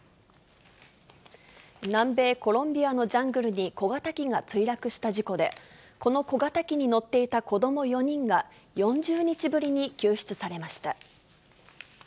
南米コロンビアのジャングルに小型機が墜落した事故で、この小型機に乗っていた子ども４人が、４０日ぶりに救出されました。